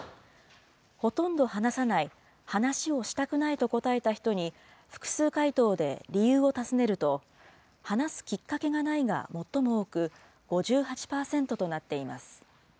ほとんど話さない、話をしたくないと答えた人に複数回答で理由を尋ねると、話すきっかけがないが最も多く、５８％となっています。